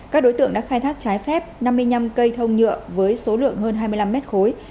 các đối tượng đã khai thác trái phép năm mươi năm cây thông nhựa với số lượng hơn hai mươi năm mét khối